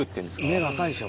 目が赤いでしょ。